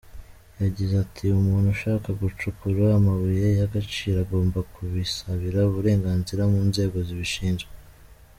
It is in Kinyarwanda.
Yagize ati "Umuntu ushaka gucukura amabuye y’agaciro agomba kubisabira uburenganzira mu nzego zibishinzwe.